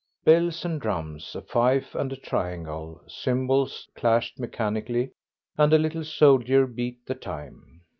Bells and drums, a fife and a triangle, cymbals clashed mechanically, and a little soldier beat the time.